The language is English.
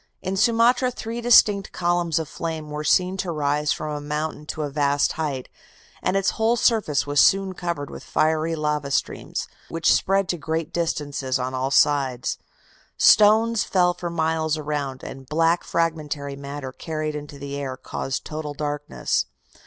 In Sumatra three distinct columns of flame were seen to rise from a mountain to a vast height, and its whole surface was soon covered with fiery lava streams, which spread to great distances on all sides. Stones fell for miles around, and black fragmentary matter carried into the air caused total darkness.